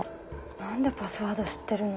何でパスワード知ってるの？